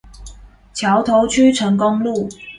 橋頭區成功路